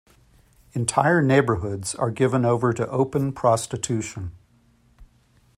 Entire neighbourhoods are given over to open prostitution.